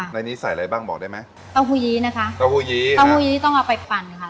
ในนี้ใส่อะไรบ้างบอกได้ไหมเต้าหู้ยี้นะคะเต้าหู้ยี้เต้าหู้ยี้ต้องเอาไปปั่นค่ะ